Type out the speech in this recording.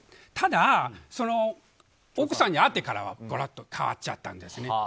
ただ、奥さんに会ってからはガラッと変わっちゃったんですね。